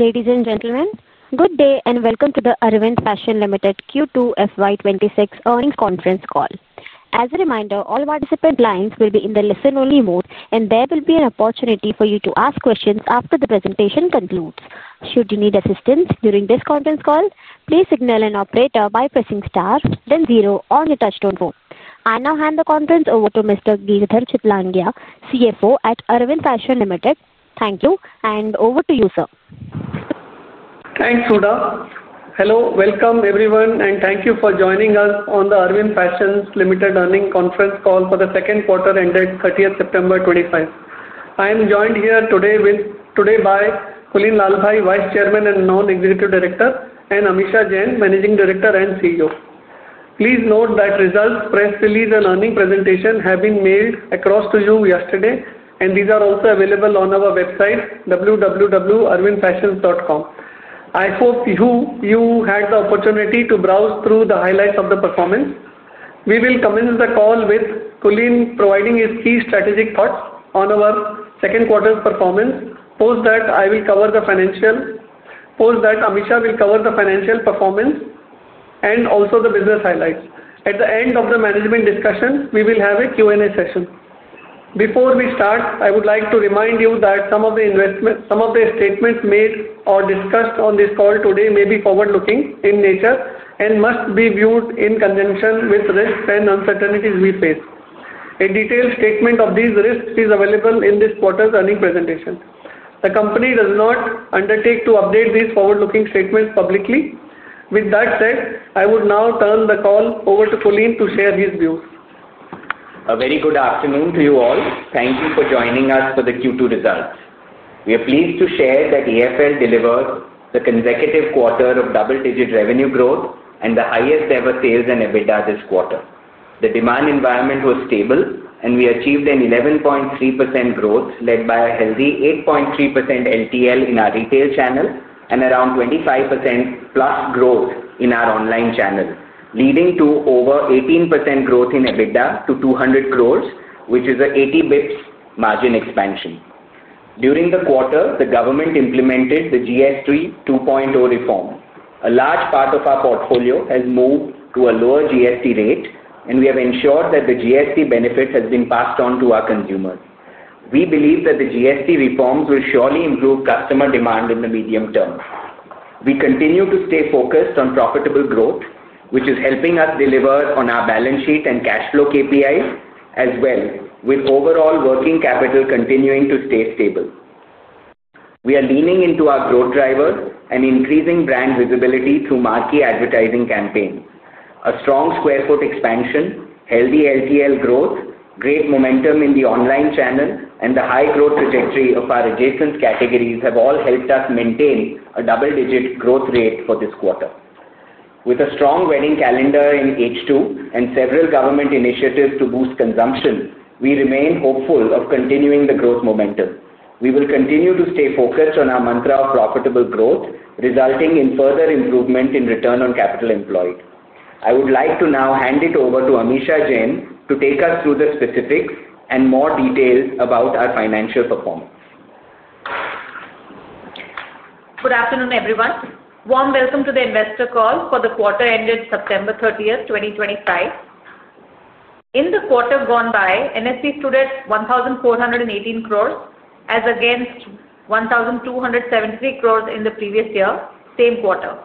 Ladies and gentlemen, good day and welcome to the Arvind Fashions Limited Q2 FY 2026 Earnings Conference Call. As a reminder, all participant lines will be in the listen-only mode, and there will be an opportunity for you to ask questions after the presentation concludes. Should you need assistance during this conference call, please signal an operator by pressing star, then zero on the touchtone room. I now hand the conference over to Mr. Girdhar Chitlangia, CFO at Arvind Fashions Limited. Thank you, and over to you, sir. Thanks, Uda. Hello, welcome everyone, and thank you for joining us on the Arvind Fashions Limited earnings conference call for the second quarter ended 30th September 2025. I am joined here today by Kulin Lalbhai, Vice Chairman and Non-Executive Director, and Amisha Jain, Managing Director and CEO. Please note that results, press release, and earnings presentation have been mailed across to you yesterday, and these are also available on our website, www.arvindfashions.com. I hope you had the opportunity to browse through the highlights of the performance. We will commence the call with Kulin providing his key strategic thoughts on our second quarter performance, post that I will cover the financial, post that Amisha will cover the financial performance, and also the business highlights. At the end of the management discussion, we will have a Q&A session. Before we start, I would like to remind you that some of the statements made or discussed on this call today may be forward-looking in nature and must be viewed in conjunction with risks and uncertainties we face. A detailed statement of these risks is available in this quarter's earnings presentation. The company does not undertake to update these forward-looking statements publicly. With that said, I would now turn the call over to Kulin to share his views. A very good afternoon to you all. Thank you for joining us for the Q2 results. We are pleased to share that AFL delivers the consecutive quarter of double-digit revenue growth and the highest-ever sales and EBITDA this quarter. The demand environment was stable, and we achieved an 11.3% growth led by a healthy 8.3% LTL in our retail channel and around 25% plus growth in our online channel, leading to over 18% growth in EBITDA to 200 crore which is an 80 basis points margin expansion. During the quarter, the government implemented the GST 2.0 reform. A large part of our portfolio has moved to a lower GST rate, and we have ensured that the GST benefit has been passed on to our consumers. We believe that the GST reforms will surely improve customer demand in the medium term. We continue to stay focused on profitable growth, which is helping us deliver on our balance sheet and cash flow KPIs as well, with overall working capital continuing to stay stable. We are leaning into our growth drivers and increasing brand visibility through marquee advertising campaigns. A strong square foot expansion, healthy LTL growth, great momentum in the online channel, and the high growth trajectory of our adjacent categories have all helped us maintain a double-digit growth rate for this quarter. With a strong wedding calendar in H2 and several government initiatives to boost consumption, we remain hopeful of continuing the growth momentum. We will continue to stay focused on our mantra of profitable growth, resulting in further improvement in return on capital employed. I would like to now hand it over to Amisha Jain to take us through the specifics and more details about our financial performance. Good afternoon, everyone. Warm welcome to the investor call for the quarter ended September 30th, 2025. In the quarter gone by, NSC stood at 1,418 crore as against 1,273 crore in the previous year, same quarter.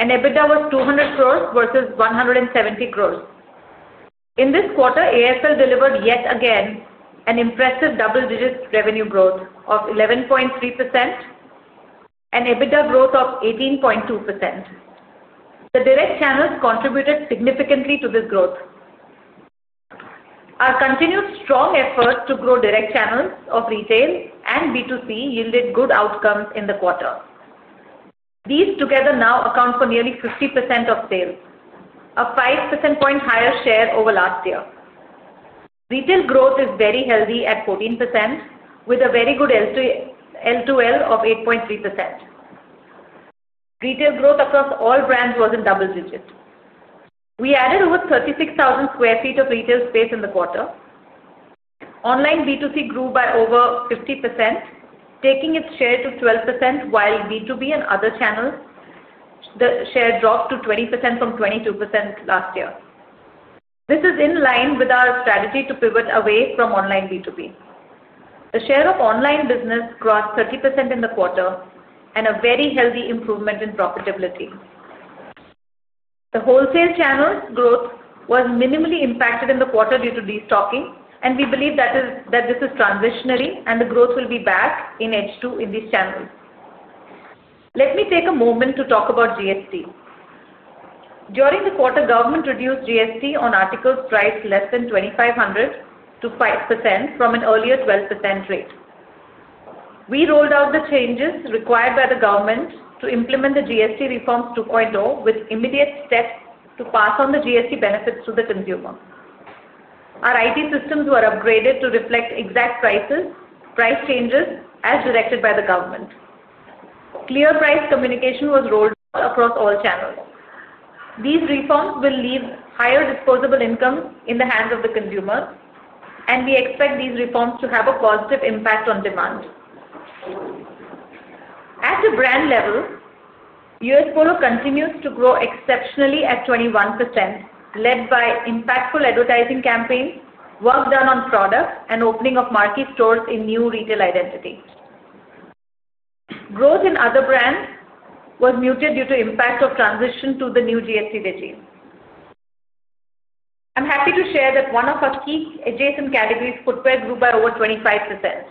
EBITDA was 200 crore versus 170 crore. In this quarter, AFL delivered yet again an impressive double-digit revenue growth of 11.3%. EBITDA growth of 18.2%. The direct channels contributed significantly to this growth. Our continued strong efforts to grow direct channels of retail and B2C yielded good outcomes in the quarter. These together now account for nearly 50% of sales, a 5 percent point higher share over last year. Retail growth is very healthy at 14%, with a very good L2L of 8.3%. Retail growth across all brands was in double digits. We added over 36,000 sq ft of retail space in the quarter. Online B2C grew by over 50%, taking its share to 12%, while B2B and other channels. The share dropped to 20% from 22% last year. This is in line with our strategy to pivot away from online B2B. The share of online business crossed 30% in the quarter and a very healthy improvement in profitability. The wholesale channels' growth was minimally impacted in the quarter due to restocking, and we believe that this is transitionary and the growth will be back in H2 in these channels. Let me take a moment to talk about GST. During the quarter, government reduced GST on articles priced less than 2,500 to 5% from an earlier 12% rate. We rolled out the changes required by the government to implement the GST reforms 2.0 with immediate steps to pass on the GST benefits to the consumer. Our IT systems were upgraded to reflect exact prices, price changes as directed by the government. Clear price communication was rolled out across all channels. These reforms will leave higher disposable income in the hands of the consumer, and we expect these reforms to have a positive impact on demand. At the brand level U.S. Polo continues to grow exceptionally at 21%, led by impactful advertising campaigns, work done on products, and opening of marquee stores in new retail identity. Growth in other brands was muted due to the impact of transition to the new GST regime. I'm happy to share that one of our key adjacent categories, footwear, grew by over 25%.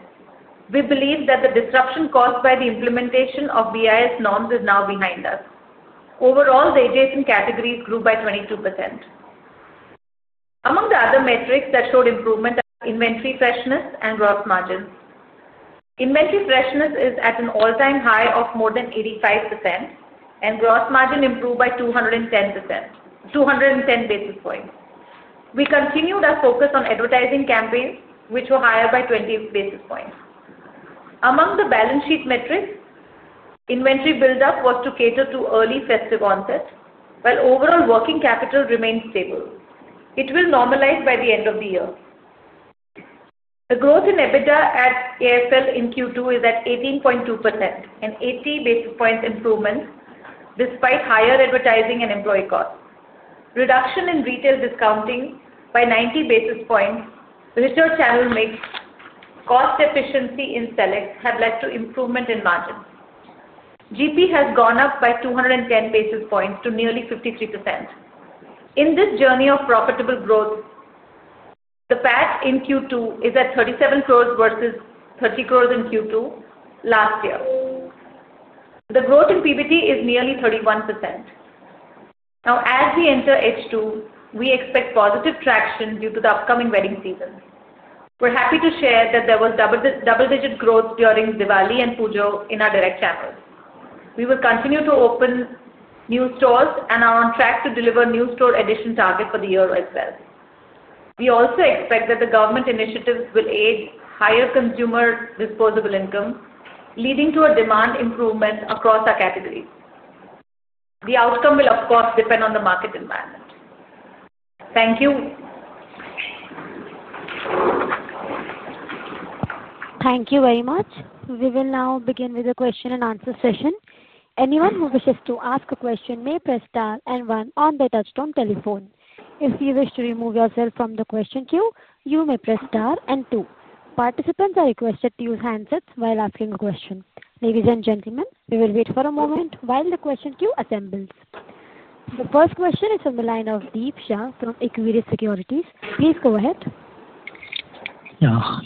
We believe that the disruption caused by the implementation of BIS norms is now behind us. Overall, the adjacent categories grew by 22%. Among the other metrics that showed improvement are inventory freshness and gross margins. Inventory freshness is at an all-time high of more than 85%, and gross margin improved by 210 basis points. We continued our focus on advertising campaigns, which were higher by 20 basis points. Among the balance sheet metrics, inventory buildup was to cater to early festive onsets, while overall working capital remained stable. It will normalize by the end of the year. The growth in EBITDA at AFL in Q2 is at 18.2%, an 80 basis points improvement despite higher advertising and employee costs. Reduction in retail discounting by 90 basis points, richer channel mix, cost efficiency in sellers have led to improvement in margins. GP has gone up by 210 basis points to nearly 53%. In this journey of profitable growth. The PAT in Q2 is at 37 crore versus 30 crore in Q2 last year. The growth in PBT is nearly 31%. Now, as we enter H2, we expect positive traction due to the upcoming wedding season. We're happy to share that there was double-digit growth during Diwali and Puja in our direct channels. We will continue to open new stores and are on track to deliver new store addition target for the year as well. We also expect that the government initiatives will aid higher consumer disposable income, leading to a demand improvement across our categories. The outcome will, of course, depend on the market environment. Thank you. Thank you very much. We will now begin with a question-and-answer session. Anyone who wishes to ask a question may press star and one on the touchstone telephone. If you wish to remove yourself from the question queue, you may press star and two. Participants are requested to use handsets while asking a question. Ladies and gentlemen, we will wait for a moment while the question queue assembles. The first question is from the line of Deep Shah from Equirus Securities. Please go ahead. Yeah,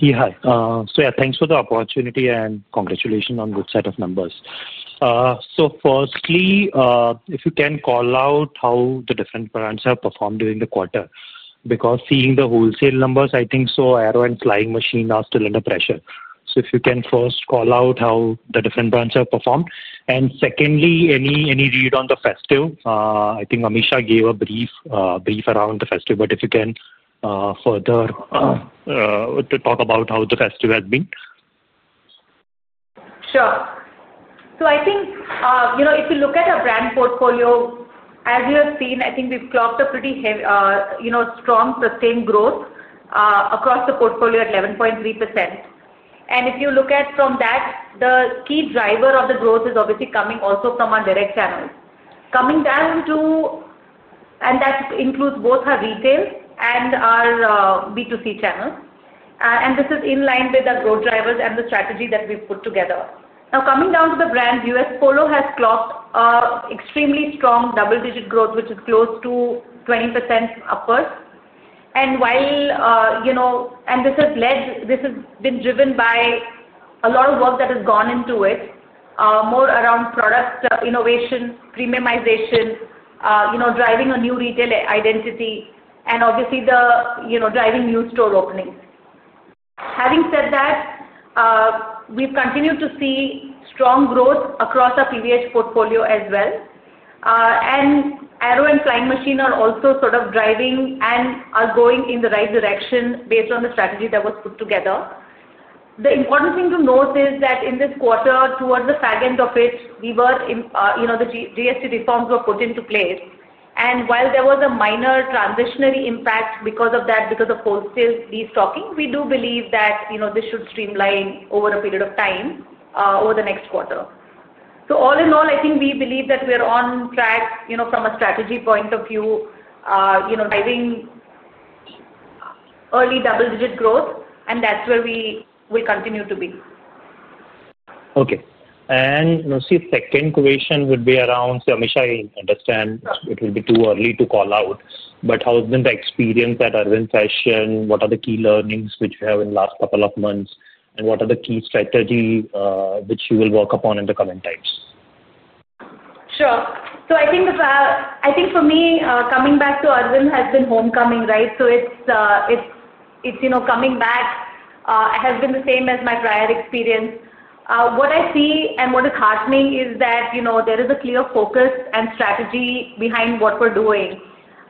so yeah, thanks for the opportunity and congratulations on this set of numbers. Firstly, if you can call out how the different brands have performed during the quarter, because seeing the wholesale numbers, I think Arrow and Flying Machine are still under pressure. If you can first call out how the different brands have performed. Secondly, any read on the festive, I think Amisha gave a brief around the festive, but if you can further talk about how the festive has been. Sure. I think if you look at our brand portfolio, as you have seen, I think we've clocked a pretty strong sustained growth across the portfolio at 11.3%. If you look at that, the key driver of the growth is obviously coming also from our direct channels. That includes both our retail and our B2C channels. This is in line with our growth drivers and the strategy that we've put together. Now, coming down U.S. Polo has clocked extremely strong double-digit growth, which is close to 20% upwards. While this has been driven by a lot of work that has gone into it, more around product innovation, premiumization, driving a new retail identity, and obviously driving new store openings. Having said that, we've continued to see strong growth across our PVH portfolio as well. Arrow and Flying Machine are also sort of driving and are going in the right direction based on the strategy that was put together. The important thing to note is that in this quarter, towards the fag end of it, the GST reforms were put into place. While there was a minor transitionary impact because of that, because of wholesale restocking, we do believe that this should streamline over a period of time over the next quarter. All in all, I think we believe that we are on track from a strategy point of view, driving early double-digit growth, and that's where we will continue to be. Okay. You know, see, second question would be around, so Amisha, I understand it will be too early to call out, but how's been the experience at Arvind Fashions? What are the key learnings which you have in the last couple of months, and what are the key strategies which you will work upon in the coming times? Sure. I think for me, coming back to Arvind has been homecoming, right? It is coming back. It has been the same as my prior experience. What I see and what is heartening is that there is a clear focus and strategy behind what we are doing.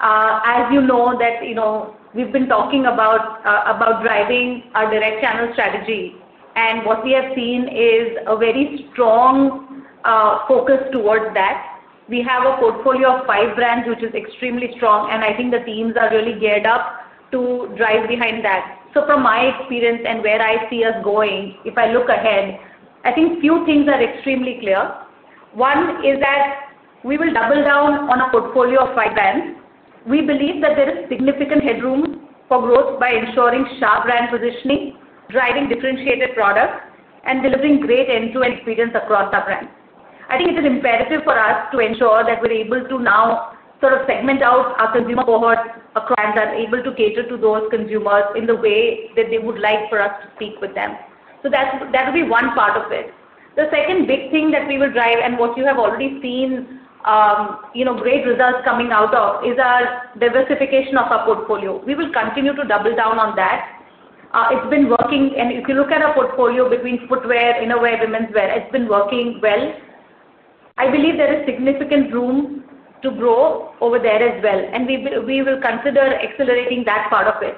As you know, we have been talking about driving our direct channel strategy, and what we have seen is a very strong focus towards that. We have a portfolio of five brands, which is extremely strong, and I think the teams are really geared up to drive behind that. From my experience and where I see us going, if I look ahead, I think a few things are extremely clear. One is that we will double down on a portfolio of five brands. We believe that there is significant headroom for growth by ensuring sharp brand positioning, driving differentiated products, and delivering great end-to-end experience across our brands. I think it is imperative for us to ensure that we are able to now sort of segment out our consumer cohorts across and are able to cater to those consumers in the way that they would like for us to speak with them. That would be one part of it. The second big thing that we will drive and what you have already seen great results coming out of is our diversification of our portfolio. We will continue to double down on that. It has been working, and if you look at our portfolio between footwear, innerwear, women's wear, it has been working well. I believe there is significant room to grow over there as well, and we will consider accelerating that part of it.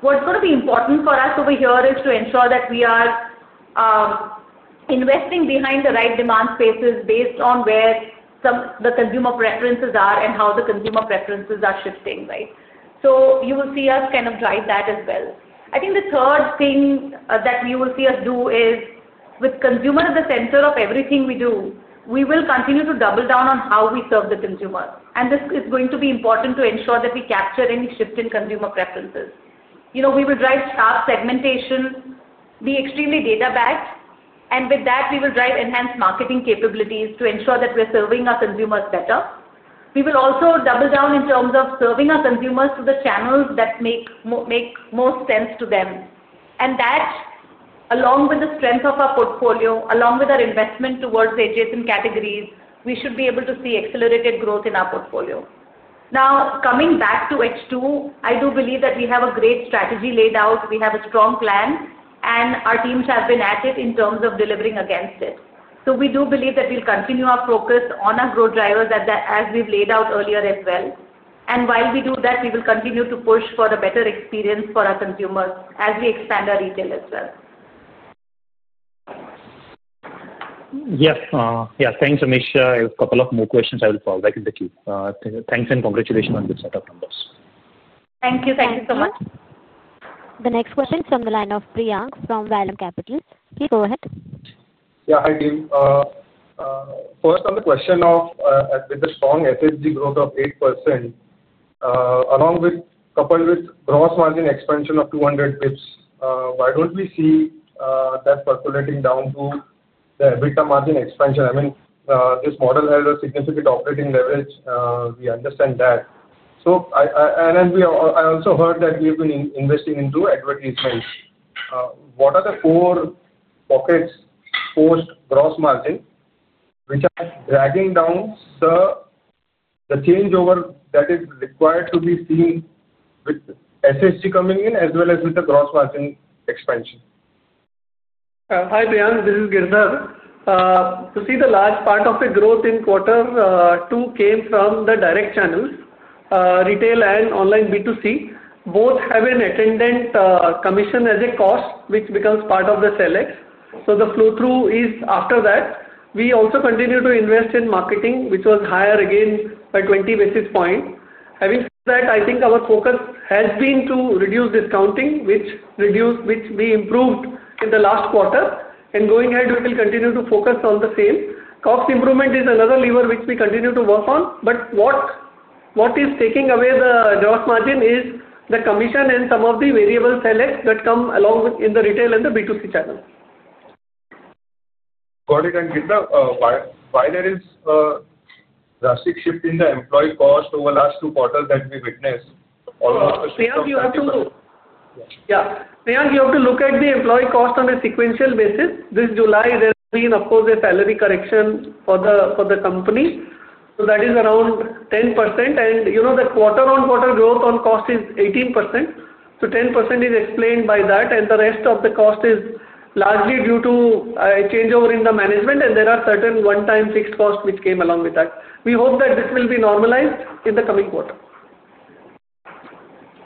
What is going to be important for us over here is to ensure that we are investing behind the right demand spaces based on where the consumer preferences are and how the consumer preferences are shifting, right? You will see us kind of drive that as well. I think the third thing that you will see us do is, with consumer at the center of everything we do, we will continue to double down on how we serve the consumer. This is going to be important to ensure that we capture any shift in consumer preferences. We will drive sharp segmentation, be extremely data-backed, and with that, we will drive enhanced marketing capabilities to ensure that we are serving our consumers better. We will also double down in terms of serving our consumers through the channels that make most sense to them. That, along with the strength of our portfolio, along with our investment towards the adjacent categories, we should be able to see accelerated growth in our portfolio. Now, coming back to H2, I do believe that we have a great strategy laid out. We have a strong plan, and our teams have been at it in terms of delivering against it. We do believe that we'll continue our focus on our growth drivers as we've laid out earlier as well. While we do that, we will continue to push for a better experience for our consumers as we expand our retail as well. Yes. Yeah, thanks, Amisha. I have a couple of more questions. I will fall back into queue. Thanks and congratulations on the setup numbers. Thank you. Thank you so much. The next question is from the line of Priyank from Vallum Capital. Please go ahead. Yeah, hi team. First, on the question of. With the strong FSG growth of 8%. Along with, coupled with gross margin expansion of 200 basis points, why do not we see that percolating down to the EBITDA margin expansion? I mean, this model has a significant operating leverage. We understand that. I also heard that we have been investing into advertisements. What are the core pockets post gross margin which are dragging down the changeover that is required to be seen with FSG coming in as well as with the gross margin expansion? Hi, Priyank. This is Girdhar. To see, the large part of the growth in quarter two came from the direct channels, retail and online B2C. Both have an attendant commission as a cost, which becomes part of the sellers. So the flow through is after that. We also continue to invest in marketing, which was higher again by 20 basis points. Having said that, I think our focus has been to reduce discounting, which we improved in the last quarter. Going ahead, we will continue to focus on the same. Cost improvement is another lever which we continue to work on. What is taking away the gross margin is the commission and some of the variable sellers that come along in the retail and the B2C channel. Got it, and Girdhar, why there is a drastic shift in the employee cost over the last two quarters that we witnessed? Priyank, we have to look. Yeah. Priyank, we have to look at the employee cost on a sequential basis. This July, there has been, of course, a salary correction for the company. So that is around 10%. And you know the quarter-on-quarter growth on cost is 18%. So 10% is explained by that, and the rest of the cost is largely due to a changeover in the management, and there are certain one-time fixed costs which came along with that. We hope that this will be normalized in the coming quarter.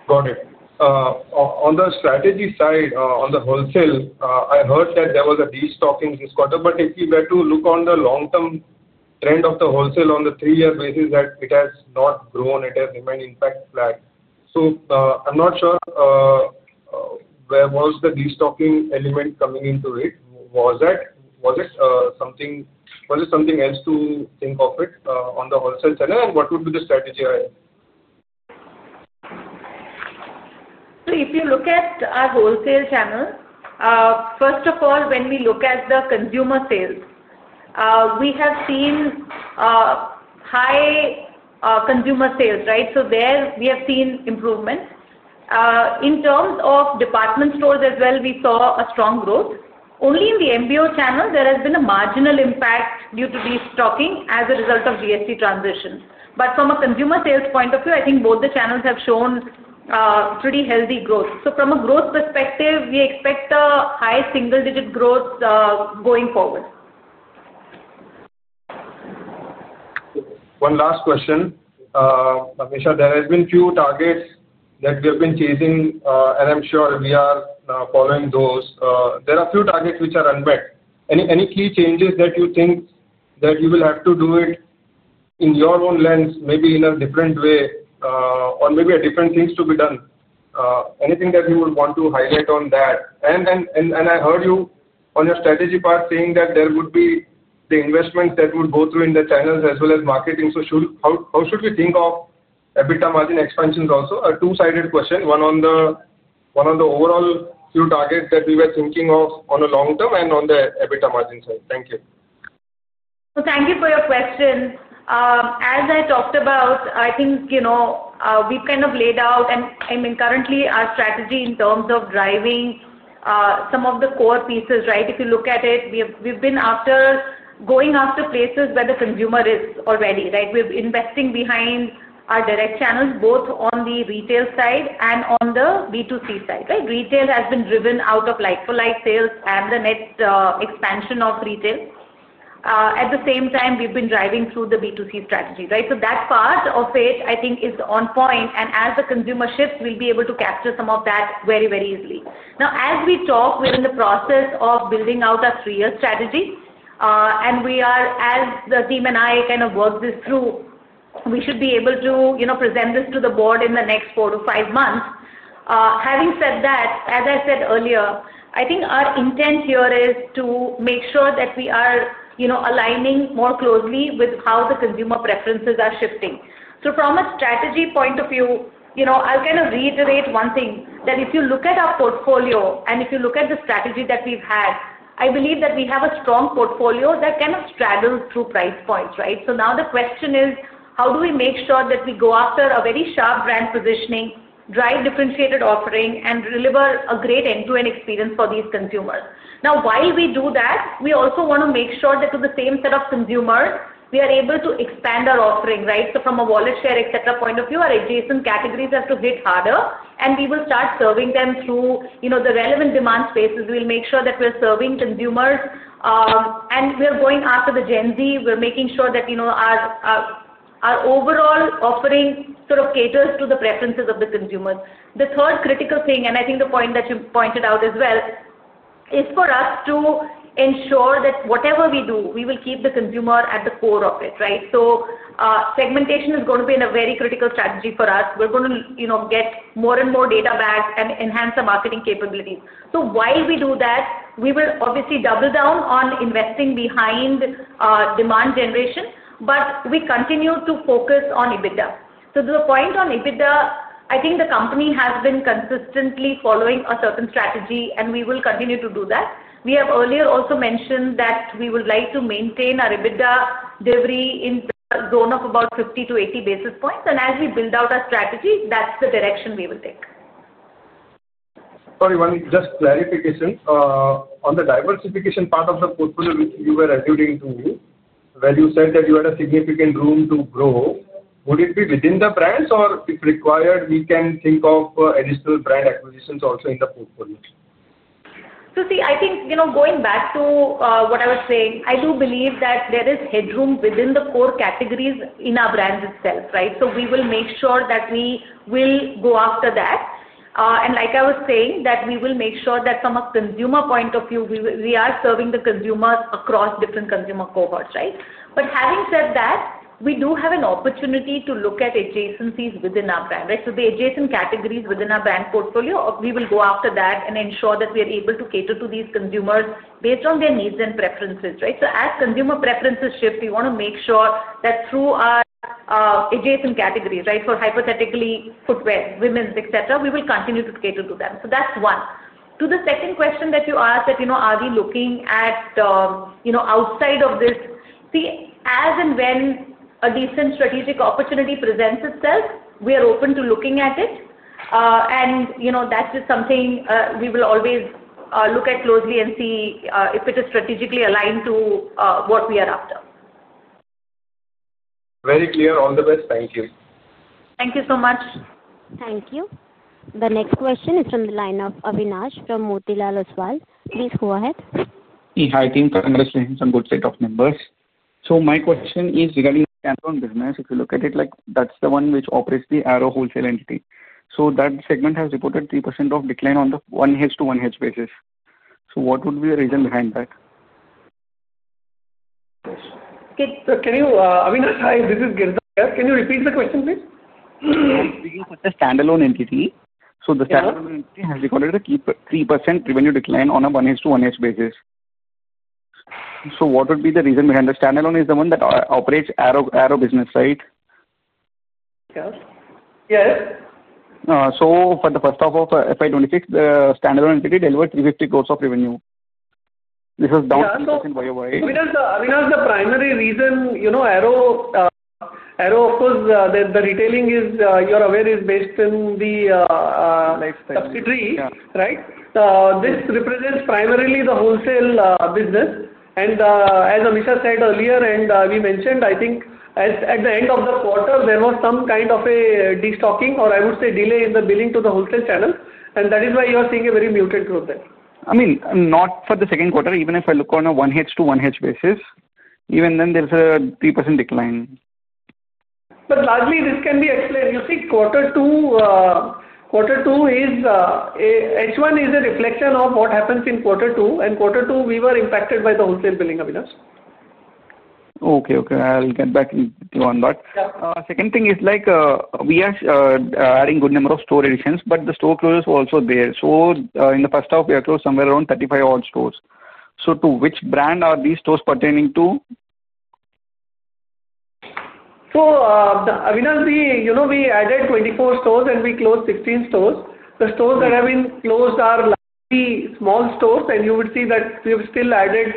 Got it. On the strategy side, on the wholesale, I heard that there was a restocking this quarter, but if you were to look on the long-term trend of the wholesale on the 3 year basis, it has not grown. It has remained in fact flat. So I'm not sure. Where was the restocking element coming into it? Was it something else to think of on the wholesale channel, and what would be the strategy ahead? If you look at our wholesale channel, first of all, when we look at the consumer sales, we have seen high consumer sales, right? There we have seen improvement. In terms of department stores as well, we saw strong growth. Only in the MBO channel, there has been a marginal impact due to restocking as a result of GST transition. From a consumer sales point of view, I think both the channels have shown pretty healthy growth. From a growth perspective, we expect high single-digit growth going forward. One last question. Amisha, there have been a few targets that we have been chasing, and I'm sure we are following those. There are a few targets which are unmet. Any key changes that you think that you will have to do it. In your own lens, maybe in a different way, or maybe different things to be done? Anything that you would want to highlight on that? I heard you on your strategy part saying that there would be the investments that would go through in the channels as well as marketing. How should we think of EBITDA margin expansions also? A two-sided question. One on the overall few targets that we were thinking of on a long term and on the EBITDA margin side. Thank you. Thank you for your question. As I talked about, I think we have kind of laid out, and I mean, currently, our strategy in terms of driving some of the core pieces, right? If you look at it, we have been going after places where the consumer is already, right? We are investing behind our direct channels, both on the retail side and on the B2C side, right? Retail has been driven out of like-for-like sales and the net expansion of retail. At the same time, we have been driving through the B2C strategy, right? That part of it, I think, is on point, and as the consumer shifts, we will be able to capture some of that very, very easily. Now, as we talk, we are in the process of building out our three-year strategy. As the team and I kind of work this through, we should be able to present this to the board in the next 4-5 months. Having said that, as I said earlier, I think our intent here is to make sure that we are aligning more closely with how the consumer preferences are shifting. From a strategy point of view, I will kind of reiterate one thing, that if you look at our portfolio and if you look at the strategy that we have had, I believe that we have a strong portfolio that kind of straddles through price points, right? Now the question is, how do we make sure that we go after a very sharp brand positioning, drive differentiated offering, and deliver a great end-to-end experience for these consumers? While we do that, we also want to make sure that with the same set of consumers, we are able to expand our offering, right? From a wallet share, etc. point of view, our adjacent categories have to hit harder, and we will start serving them through the relevant demand spaces. We will make sure that we are serving consumers. We are going after the Gen Z. We are making sure that our overall offering sort of caters to the preferences of the consumers. The third critical thing, and I think the point that you pointed out as well, is for us to ensure that whatever we do, we will keep the consumer at the core of it, right? Segmentation is going to be a very critical strategy for us. We are going to get more and more data-backed and enhance our marketing capabilities. While we do that, we will obviously double down on investing behind demand generation, but we continue to focus on EBITDA. To the point on EBITDA, I think the company has been consistently following a certain strategy, and we will continue to do that. We have earlier also mentioned that we would like to maintain our EBITDA delivery in the zone of about 50-80 basis points. As we build out our strategy, that is the direction we will take. Sorry, one just clarification. On the diversification part of the portfolio which you were alluding to, where you said that you had a significant room to grow, would it be within the brands, or if required, we can think of additional brand acquisitions also in the portfolio? See, I think going back to what I was saying, I do believe that there is headroom within the core categories in our brands itself, right? We will make sure that we will go after that. Like I was saying, we will make sure that from a consumer point of view, we are serving the consumers across different consumer cohorts, right? Having said that, we do have an opportunity to look at adjacencies within our brand, right? The adjacent categories within our brand portfolio, we will go after that and ensure that we are able to cater to these consumers based on their needs and preferences, right? As consumer preferences shift, we want to make sure that through our adjacent categories, right? Hypothetically, footwear, women's, etc., we will continue to cater to them. That is one. To the second question that you asked, are we looking at outside of this? See, as and when a decent strategic opportunity presents itself, we are open to looking at it. That is just something we will always look at closely and see if it is strategically aligned to what we are after. Very clear. All the best. Thank you. Thank you so much. Thank you. The next question is from the line of Avinash from Motilal Oswal. Please go ahead. Hey, hi team. Thank you for the understanding. Some good set of numbers. My question is regarding the Arrow business. If you look at it, that's the one which operates the Arrow wholesale entity. That segment has reported 3% of decline on the 1H to 1H basis. What would be the reason behind that? Avinash, hi. This is Girdhar. Can you repeat the question, please? We put the standalone entity. So the standalone entity has recorded a 3% revenue decline on a 1H to 1H basis. So what would be the reason behind the standalone is the one that operates Arrow business, right? Yes. Yes. For the first half of FY 2026, the standalone entity delivered 350 crore of revenue. This was down. Avinash, the primary reason Arrow, of course, the retailing, you're aware, is based in the subsidiary, right? This represents primarily the wholesale business. As Amisha said earlier, and we mentioned, I think at the end of the quarter, there was some kind of a destocking, or I would say delay in the billing to the wholesale channel. That is why you are seeing a very muted growth there. I mean, not for the second quarter. Even if I look on a 1H to 1H basis, even then there's a 3% decline. Largely, this can be explained. You see, quarter two is—H1 is a reflection of what happens in quarter two. And quarter two, we were impacted by the wholesale billing, Avinash. Okay, okay. I'll get back to you on that. Second thing is like we are adding a good number of store additions, but the store closures were also there. In the first half, we closed somewhere around 35-odd stores. To which brand are these stores pertaining? Avinash, we added 24 stores and we closed 16 stores. The stores that have been closed are largely small stores, and you would see that we have still added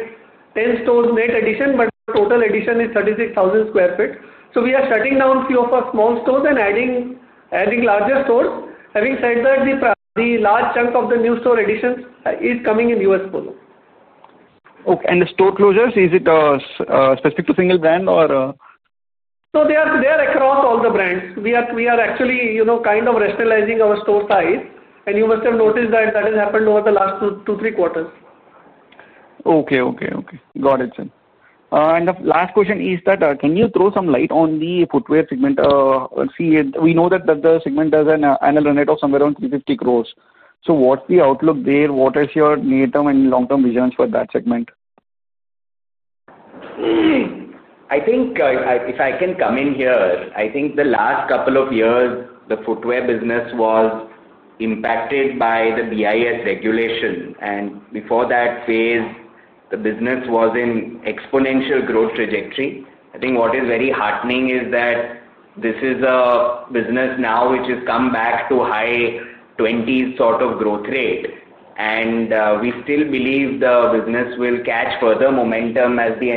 10 stores net addition, but total addition is 36,000 sq ft. We are shutting down a few of our small stores and adding larger stores. Having said that, the large chunk of the new store additions is coming U.S. Polo. Okay. The store closures, is it specific to single brand or? They are across all the brands. We are actually kind of rationalizing our store size. You must have noticed that that has happened over the last two, three quarters. Okay, okay, okay. Got it, sir. The last question is that can you throw some light on the footwear segment? We know that the segment has an annual run rate of somewhere around 350 crore. What is the outlook there? What is your near-term and long-term visions for that segment? I think if I can come in here, I think the last couple of years, the footwear business was impacted by the BIS regulation. Before that phase, the business was in exponential growth trajectory. I think what is very heartening is that this is a business now which has come back to high 20s sort of growth rate. We still believe the business will catch further momentum as the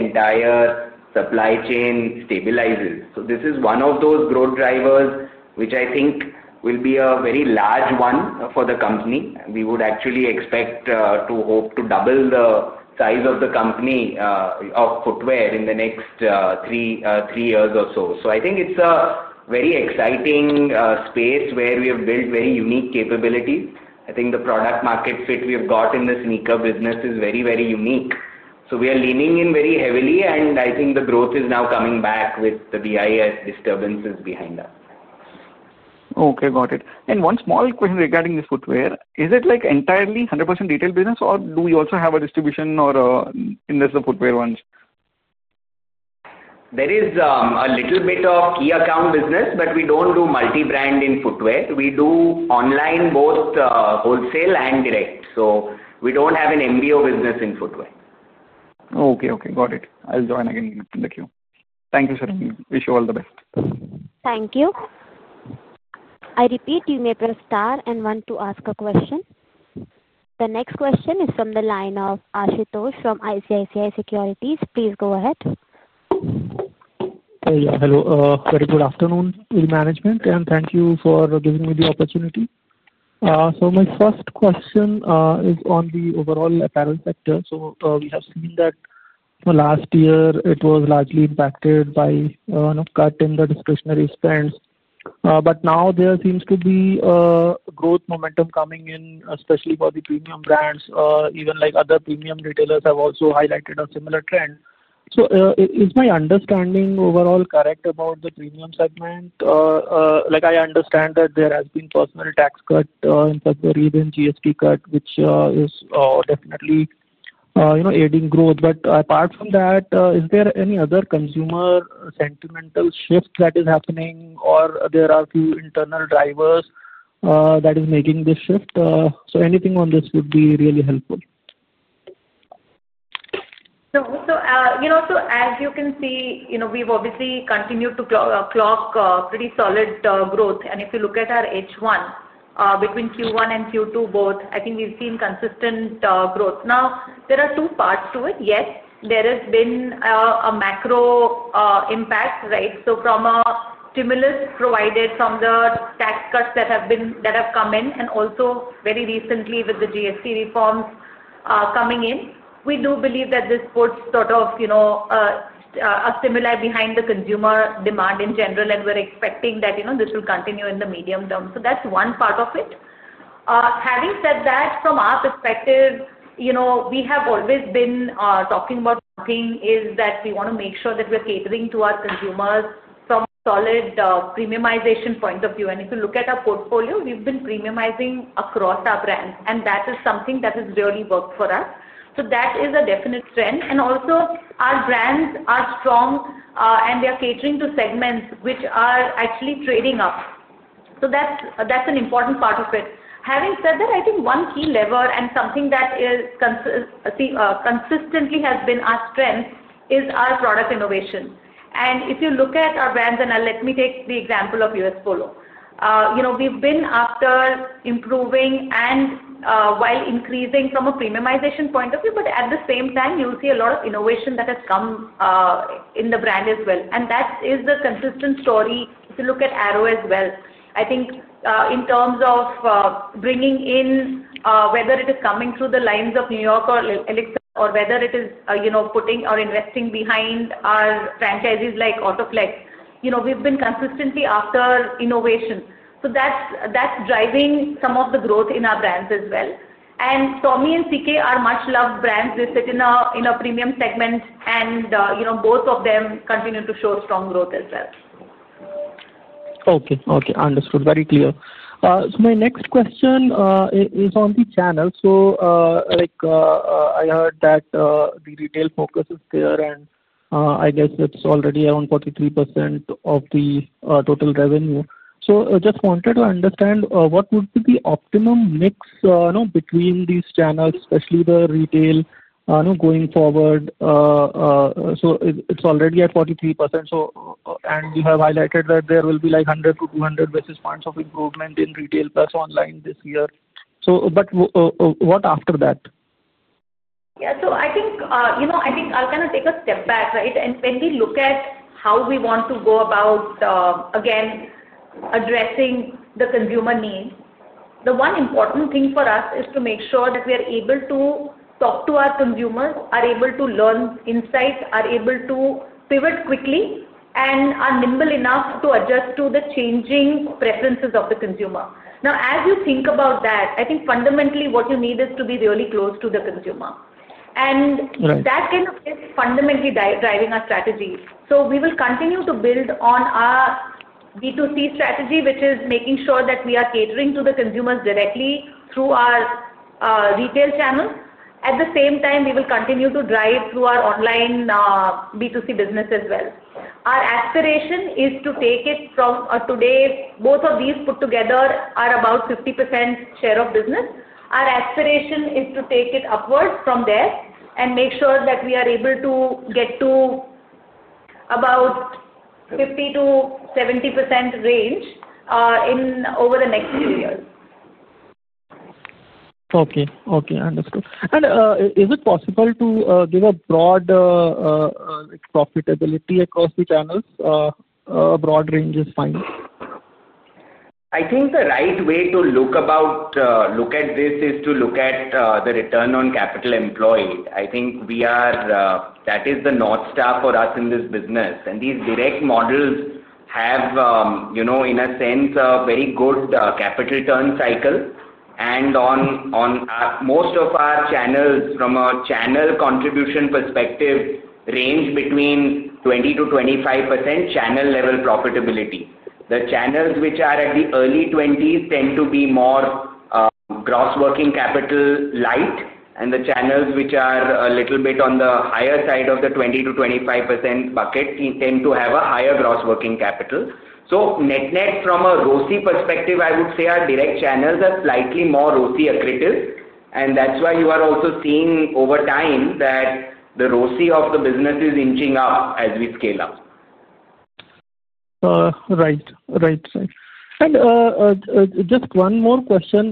entire supply chain stabilizes. This is one of those growth drivers which I think will be a very large one for the company. We would actually expect to hope to double the size of the company, of footwear, in the next 3 years or so. I think it is a very exciting space where we have built very unique capabilities. I think the product-market fit we have got in the sneaker business is very, very unique. We are leaning in very heavily, and I think the growth is now coming back with the BIS disturbances behind us. Okay, got it. One small question regarding the footwear. Is it entirely 100% retail business, or do we also have a distribution in the footwear ones? There is a little bit of key account business, but we do not do multi-brand in footwear. We do online, both wholesale and direct. We do not have an MBO business in footwear. Okay, okay. Got it. I'll join again in the queue. Thank you, sir. Wish you all the best. Thank you. I repeat, you may press star and one to ask a question. The next question is from the line of Ashutosh from ICICI Securities. Please go ahead. Hello. Very good afternoon, management, and thank you for giving me the opportunity. My first question is on the overall apparel sector. We have seen that last year it was largely impacted by a cut in the discretionary spends. Now there seems to be a growth momentum coming in, especially for the premium brands. Even other premium retailers have also highlighted a similar trend. Is my understanding overall correct about the premium segment? I understand that there has been a personal tax cut in February, then GST cut, which is definitely aiding growth. Apart from that, is there any other consumer sentimental shift that is happening, or are there a few internal drivers that are making this shift? Anything on this would be really helpful. As you can see, we've obviously continued to clock pretty solid growth. If you look at our H1, between Q1 and Q2 both, I think we've seen consistent growth. Now, there are two parts to it. Yes, there has been a macro impact, right? From a stimulus provided from the tax cuts that have come in, and also very recently with the GST reforms coming in, we do believe that this puts sort of a stimuli behind the consumer demand in general, and we're expecting that this will continue in the medium term. That's one part of it. Having said that, from our perspective, we have always been talking about something, that we want to make sure that we're catering to our consumers from a solid premiumization point of view. If you look at our portfolio, we've been premiumizing across our brands, and that is something that has really worked for us. That is a definite trend. Also, our brands are strong, and they are catering to segments which are actually trading up. That's an important part of it. Having said that, I think one key lever and something that consistently has been our strength is our product innovation. If you look at our brands, and let me take the example of U.S. Polo, we've been after improving and while increasing from a premiumization point of view, but at the same time, you'll see a lot of innovation that has come in the brand as well. That is the consistent story if you look at Arrow as well. I think in terms of bringing in, whether it is coming through the lines of New York or Elixir, or whether it is putting or investing behind our franchisees like Autoplex, we've been consistently after innovation. That's driving some of the growth in our brands as well. Tommy and CK are much-loved brands. They sit in a premium segment, and both of them continue to show strong growth as well. Okay, okay. Understood. Very clear. My next question is on the channel. I heard that the retail focus is there, and I guess it's already around 43% of the total revenue. I just wanted to understand what would be the optimum mix between these channels, especially the retail, going forward? It's already at 43%, and you have highlighted that there will be like 100-200 basis points of improvement in retail plus online this year. What after that? Yeah. I think I'll kind of take a step back, right? When we look at how we want to go about addressing the consumer needs, the one important thing for us is to make sure that we are able to talk to our consumers, are able to learn insights, are able to pivot quickly, and are nimble enough to adjust to the changing preferences of the consumer. Now, as you think about that, I think fundamentally what you need is to be really close to the consumer. That kind of is fundamentally driving our strategy. We will continue to build on our B2C strategy, which is making sure that we are catering to the consumers directly through our retail channels. At the same time, we will continue to drive through our online B2C business as well. Our aspiration is to take it from today, both of these put together are about 50% share of business. Our aspiration is to take it upwards from there and make sure that we are able to get to about 50%-70% range over the next few years. Okay, okay. Understood. Is it possible to give a broad profitability across the channels? A broad range is fine. I think the right way to look at this is to look at the return on capital employed. I think that is the North Star for us in this business. These direct models have, in a sense, a very good capital turn cycle. On most of our channels, from a channel contribution perspective, range between 20%-25% channel-level profitability. The channels which are at the early 20s tend to be more gross working capital light, and the channels which are a little bit on the higher side of the 20%-25% bucket tend to have a higher gross working capital. Net-net, from a ROCE perspective, I would say our direct channels are slightly more ROCE accretive. That is why you are also seeing over time that the ROCE of the business is inching up as we scale up. Right, right, right. Just one more question.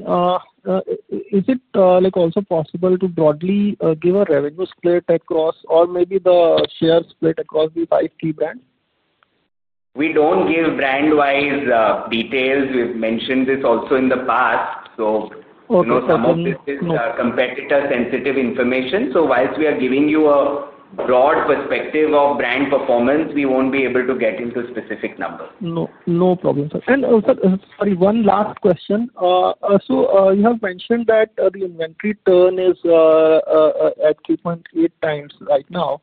Is it also possible to broadly give a revenue split across or maybe the share split across the five key brands? We don't give brand-wise details. We've mentioned this also in the past. Okay, okay. Some of this is competitor-sensitive information. So whilst we are giving you a broad perspective of brand performance, we won't be able to get into specific numbers. No problem. Sorry, one last question. You have mentioned that the inventory turn is at 3.8x right now.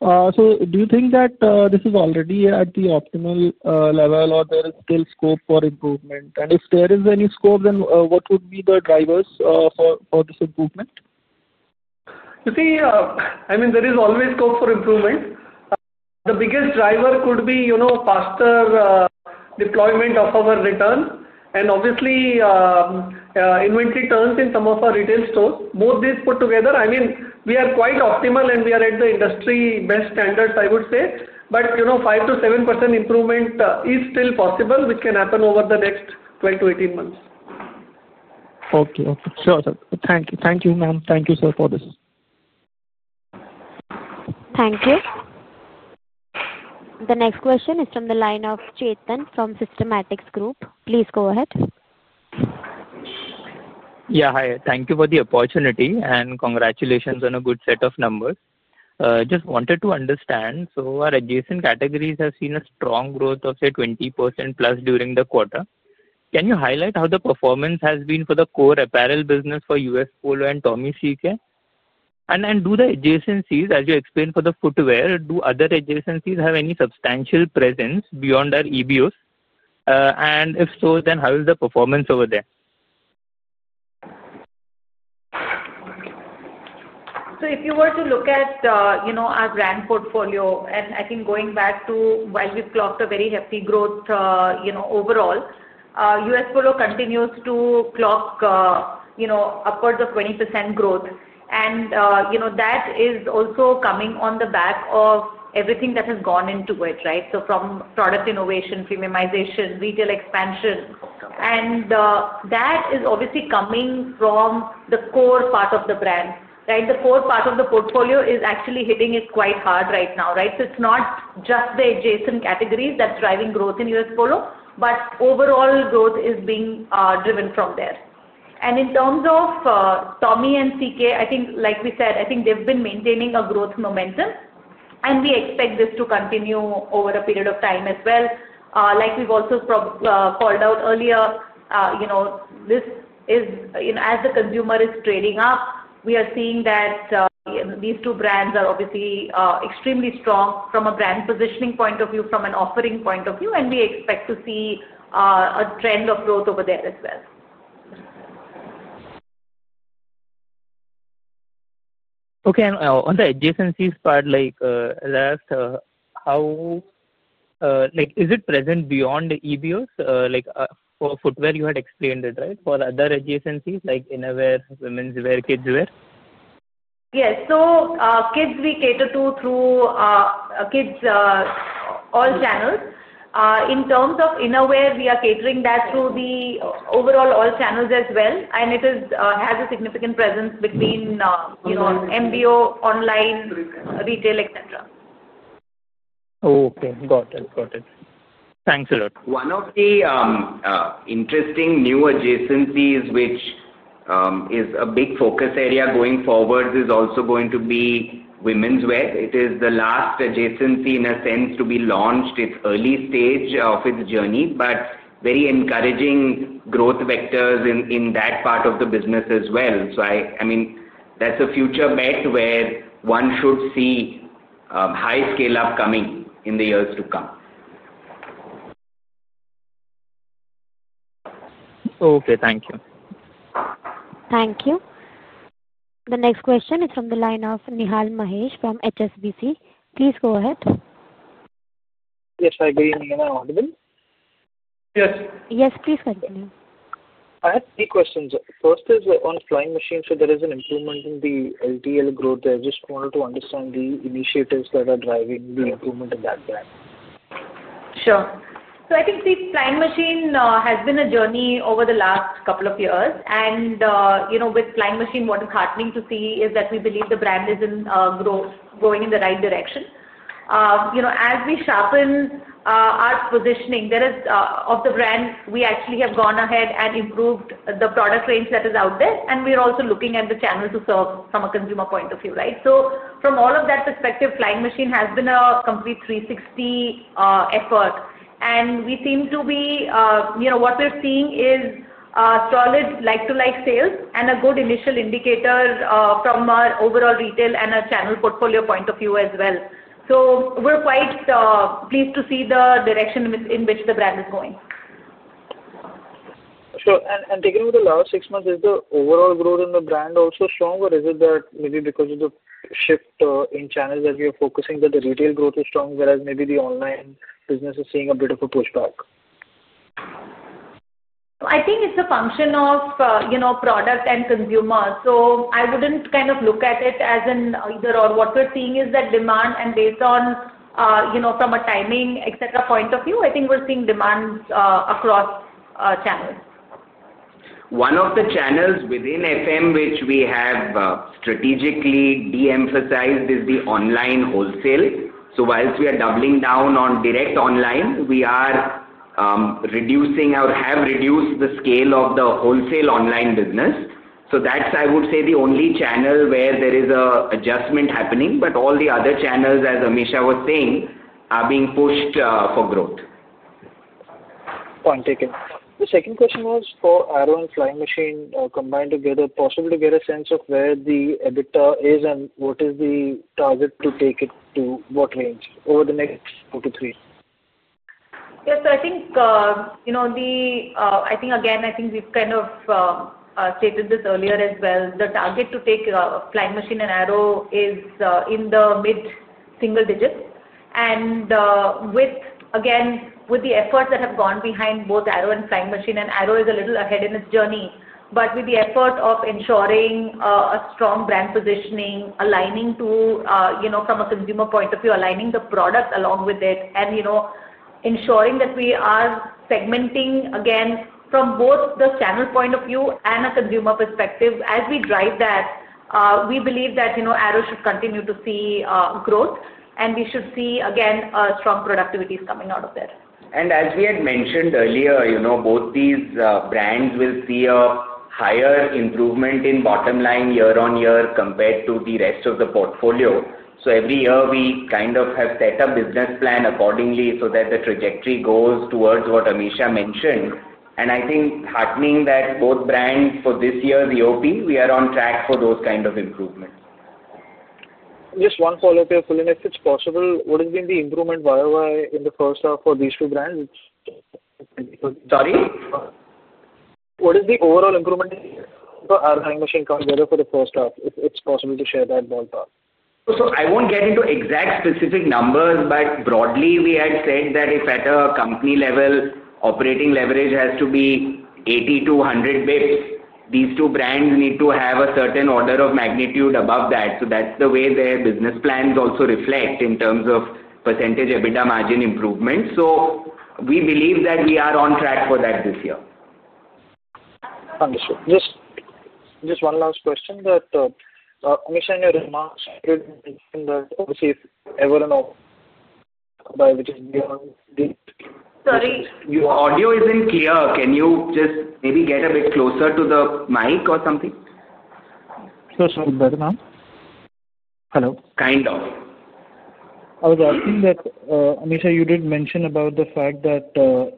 Do you think that this is already at the optimal level, or there is still scope for improvement? If there is any scope, then what would be the drivers for this improvement? You see, I mean, there is always scope for improvement. The biggest driver could be faster deployment of our return. And obviously, inventory turns in some of our retail stores. Both these put together, I mean, we are quite optimal, and we are at the industry best standards, I would say. But 5%-7% improvement is still possible, which can happen over the next 12-18 months. Okay, okay. Sure, sir. Thank you, ma'am. Thank you, sir, for this. Thank you. The next question is from the line of Chetan from Systematix Group. Please go ahead. Yeah, hi. Thank you for the opportunity and congratulations on a good set of numbers. Just wanted to understand. Our adjacent categories have seen a strong growth of, say, 20%+ during the quarter. Can you highlight how the performance has been for the core apparel business for U.S. Polo and Tommy, CK? Do the adjacencies, as you explained for the footwear, do other adjacencies have any substantial presence beyond our EBOs? If so, then how is the performance over there? If you were to look at our brand portfolio, and I think going back to while we've clocked a very hefty growth overall, U.S. Polo continues to clock upwards of 20% growth. That is also coming on the back of everything that has gone into it, right? From product innovation, premiumization, retail expansion, and that is obviously coming from the core part of the brand, right? The core part of the portfolio is actually hitting it quite hard right now, right? It's not just the adjacent categories that's driving growth in U.S. Polo, but overall growth is being driven from there. In terms of Tommy and CK, I think, like we said, they've been maintaining a growth momentum, and we expect this to continue over a period of time as well. Like we've also called out earlier, as the consumer is trading up, we are seeing that these two brands are obviously extremely strong from a brand positioning point of view, from an offering point of view, and we expect to see a trend of growth over there as well. Okay. On the adjacencies part, last. How. Is it present beyond EBOs? For footwear, you had explained it, right? For other adjacencies like innerwear, women's wear, kids wear? Yes. Kids, we cater to through kids, all channels. In terms of innerwear, we are catering that through the overall all channels as well. It has a significant presence between MBO, online, retail, etc. Okay. Got it. Got it. Thanks, sir. One of the interesting new adjacencies, which is a big focus area going forward, is also going to be Women's Wear. It is the last adjacency, in a sense, to be launched. It's early stage of its journey, but very encouraging growth vectors in that part of the business as well. I mean, that's a future bet where one should see high scale upcoming in the years to come. Okay. Thank you. Thank you. The next question is from the line of Nihal Mahesh from HSBC. Please go ahead. Yes, I'm I being audible? Yes. Yes, please continue. I have three questions. First is on Flying Machine. There is an improvement in the L2L growth. I just wanted to understand the initiatives that are driving the improvement in that brand. Sure. I think the Flying Machine has been a journey over the last couple of years. With Flying Machine, what is heartening to see is that we believe the brand is going in the right direction. As we sharpen our positioning, there is, of the brand, we actually have gone ahead and improved the product range that is out there. We are also looking at the channel to serve from a consumer point of view, right? From all of that perspective, Flying Machine has been a complete 360 effort. We seem to be, what we are seeing is, solid like-to-like sales and a good initial indicator from our overall retail and our channel portfolio point of view as well. We are quite pleased to see the direction in which the brand is going. Sure. Taken over the last 6 months, is the overall growth in the brand also strong? Is it that maybe because of the shift in channels that we are focusing, the retail growth is strong, whereas maybe the online business is seeing a bit of a pushback? I think it's a function of product and consumer. I wouldn't kind of look at it as an either/or. What we're seeing is that demand, and based on, from a timing, etc. point of view, I think we're seeing demand across channels. One of the channels within FM, which we have strategically de-emphasized, is the online wholesale. Whilst we are doubling down on direct online, we are reducing or have reduced the scale of the wholesale online business. That is, I would say, the only channel where there is an adjustment happening. All the other channels, as Amisha was saying, are being pushed for growth. Fine, taken. The second question was for Arrow and Flying Machine combined together, possible to get a sense of where the EBITDA is and what is the target to take it to what range over the next two to three? Yes. I think, again, we've kind of stated this earlier as well. The target to take Flying Machine and Arrow is in the mid-single digits. Again, with the efforts that have gone behind both Arrow and Flying Machine, and Arrow is a little ahead in its journey, but with the effort of ensuring a strong brand positioning, aligning to, from a consumer point of view, aligning the product along with it, and ensuring that we are segmenting, again, from both the channel point of view and a consumer perspective. As we drive that, we believe that Arrow should continue to see growth, and we should see, again, strong productivities coming out of there. As we had mentioned earlier, both these brands will see a higher improvement in bottom line year on year compared to the rest of the portfolio. Every year we kind of have set a business plan accordingly so that the trajectory goes towards what Amisha mentioned. I think heartening that both brands for this year's EOP, we are on track for those kind of improvements. Just one follow-up here, fully. If it's possible, what has been the improvement, by the way, in the first half for these two brands? Sorry? What is the overall improvement for Arrow and Flying Machine come together for the first half? If it's possible to share that ballpark. I won't get into exact specific numbers, but broadly, we had said that if at a company level, operating leverage has to be 80-100 basis points, these two brands need to have a certain order of magnitude above that. That's the way their business plans also reflect in terms of percent EBITDA margin improvement. We believe that we are on track for that this year. Understood. Just one last question. Amisha, and your remarks in that, obviously. Ever know by which is beyond. Sorry? Your audio isn't clear. Can you just maybe get a bit closer to the mic or something? Sure, sure. Better now? Hello. Kind of. I was asking that, Amisha, you did mention about the fact that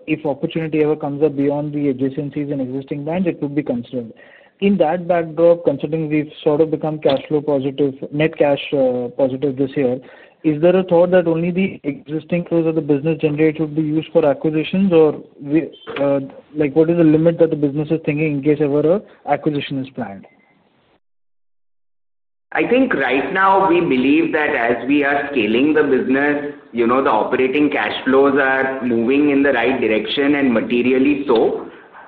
if opportunity ever comes up beyond the adjacencies and existing brands, it would be considered. In that backdrop, considering we've sort of become cash flow positive, net cash positive this year, is there a thought that only the existing flows of the business generated would be used for acquisitions? What is the limit that the business is thinking in case ever an acquisition is planned? I think right now we believe that as we are scaling the business. The operating cash flows are moving in the right direction and materially so.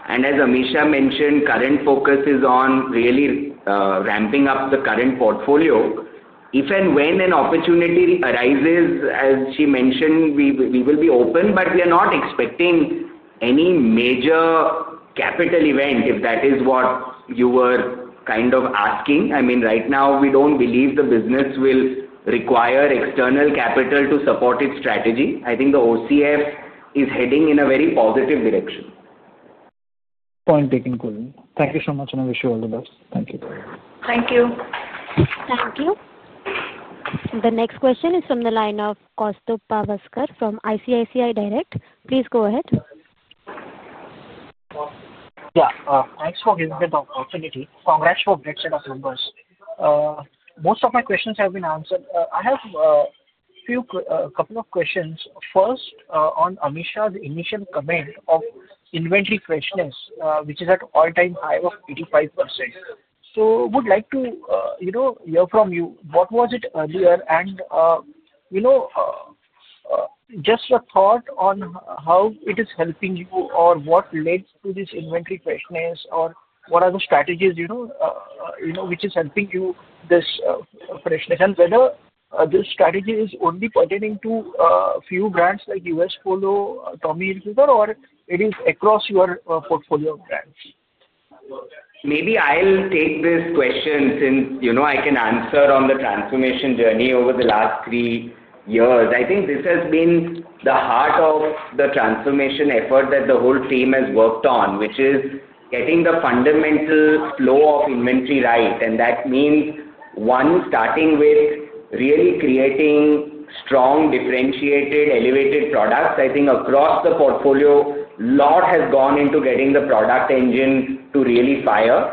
As Amisha mentioned, current focus is on really ramping up the current portfolio. If and when an opportunity arises, as she mentioned, we will be open, but we are not expecting any major capital event, if that is what you were kind of asking. I mean, right now, we do not believe the business will require external capital to support its strategy. I think the OCF is heading in a very positive direction. Fine, taken. Thank you so much, and I wish you all the best. Thank you. Thank you. Thank you. The next question is from the line of Kaustubh Pawaskar from ICICI Direct. Please go ahead. Yeah. Thanks for giving me the opportunity. Congrats for a great set of numbers. Most of my questions have been answered. I have a couple of questions. First, on Amisha, the initial comment of inventory freshness, which is at all-time high of 85%. I would like to hear from you what was it earlier, and just a thought on how it is helping you or what led to this inventory freshness or what are the strategies which is helping you this freshness, and whether this strategy is only pertaining to a few brands like U.S. Polo, Tommy Hilfiger, or it is across your portfolio of brands? Maybe I'll take this question since I can answer on the transformation journey over the last 3 years. I think this has been the heart of the transformation effort that the whole team has worked on, which is getting the fundamental flow of inventory right. That means, one, starting with really creating strong, differentiated, elevated products. I think across the portfolio, a lot has gone into getting the product engine to really fire.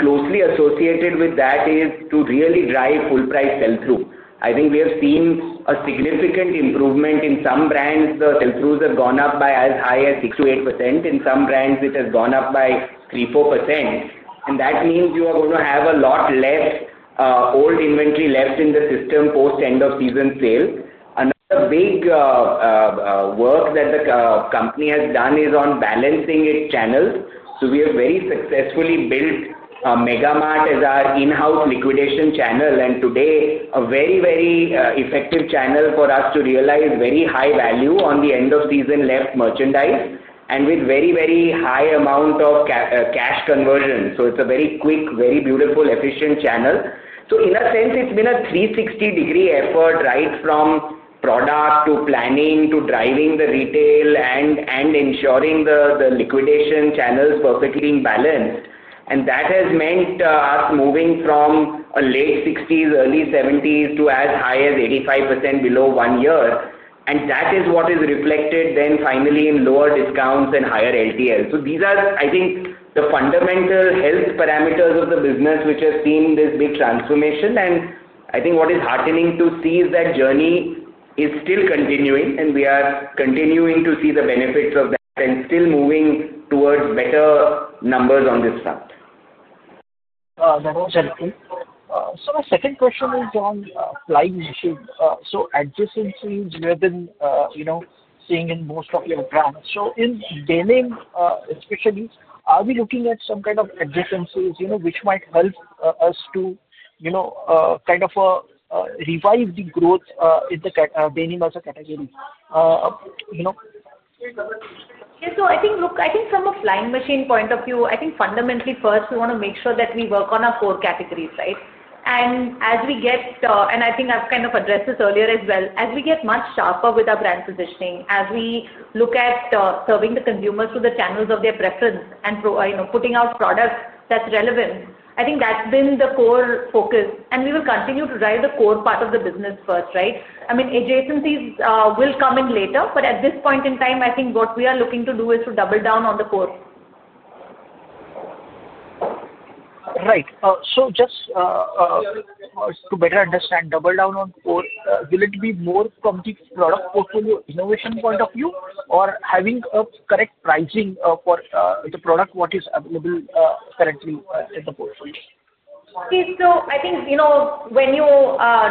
Closely associated with that is to really drive full-price sell-through. I think we have seen a significant improvement in some brands. The sell-throughs have gone up by as high as 6%-8%. In some brands, it has gone up by 3%-4%. That means you are going to have a lot less old inventory left in the system post end-of-season sale. Another big work that the company has done is on balancing its channels. We have very successfully built Mega Mart as our in-house liquidation channel, and today, a very, very effective channel for us to realize very high value on the end-of-season left merchandise and with very, very high amount of cash conversion. It is a very quick, very beautiful, efficient channel. In a sense, it has been a 360-degree effort, right, from product to planning to driving the retail and ensuring the liquidation channels are perfectly balanced. That has meant us moving from late 60s, early 70s to as high as 85% below one year. That is what is reflected then finally in lower discounts and higher LTL. These are, I think, the fundamental health parameters of the business which have seen this big transformation. I think what is heartening to see is that journey is still continuing, and we are continuing to see the benefits of that and still moving towards better numbers on this front. That was helpful. My second question is on Flying Machine. Adjacencies we have been seeing in most of your brands. In denim especially, are we looking at some kind of adjacencies which might help us to kind of revive the growth in denim as a category? Yeah. I think from a Flying Machine point of view, I think fundamentally, first, we want to make sure that we work on our core categories, right? As we get—I think I have kind of addressed this earlier as well—as we get much sharper with our brand positioning, as we look at serving the consumers through the channels of their preference and putting out products that are relevant, I think that has been the core focus. We will continue to drive the core part of the business first, right? I mean, adjacencies will come in later, but at this point in time, I think what we are looking to do is to double down on the core. Right. So just to better understand, double down on core, will it be more from the product portfolio innovation point of view or having a correct pricing for the product, what is available currently in the portfolio? Okay. So I think when you